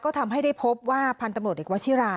ก็ทำให้ได้พบว่าพันธุ์ตำรวจเอกวชิรา